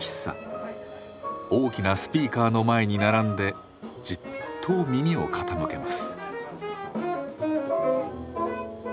大きなスピーカーの前に並んでじっと耳を傾けます。